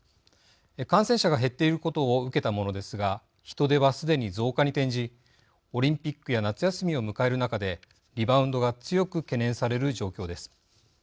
感染者が減っていることを受けたものですが人出はすでに増加に転じオリンピックや夏休みを迎える中でリバウンドが強く懸念される状況です。